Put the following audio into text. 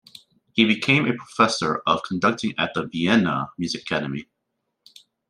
He became a professor of conducting at the Vienna Music Academy.